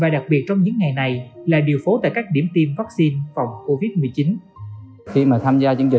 đặc biệt trong những ngày này là điều phố tại các điểm tiêm vaccine phòng covid một mươi chín